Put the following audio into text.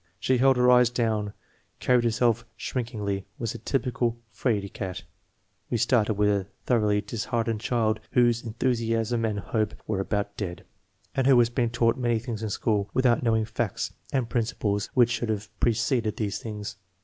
She held her eyes down, carried herself shrinkingly, was a typical *f raid cat.' We started with a thoroughly disheartened child, whose enthusiasm and hope were about dead, and who was being taught many things in school with out knowing facts and principles which should have preceded these things.